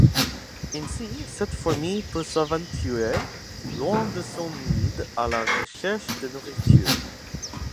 Ainsi, cette fourmi peut s'aventurer loin de son nid à la recherche de nourriture.